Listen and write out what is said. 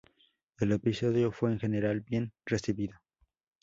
El episodio fue en general bien recibido.